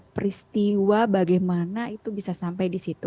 peristiwa bagaimana itu bisa sampai di situ